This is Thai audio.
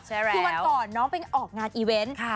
คือวันก่อนน้องไปออกงานอีเวนต์